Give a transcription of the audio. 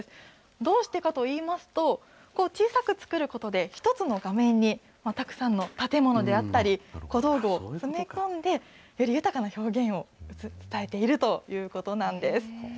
どうしてかといいますと、小さく作ることで、一つの画面にたくさんの建物であったり、小道具を詰め込んで、より豊かな表現を伝えているということなんです。